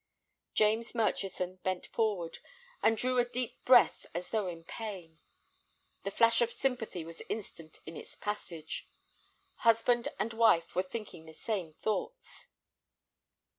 James Murchison bent forward, and drew a deep breath as though in pain. The flash of sympathy was instant in its passage. Husband and wife were thinking the same thoughts.